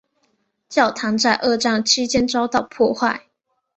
教堂在二战期间遭到破坏。